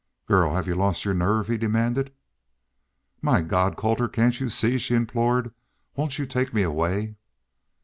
"Girl, have y'u lost your nerve?" he demanded. "My God! Colter cain't y'u see?" she implored. "Won't y'u take me away?"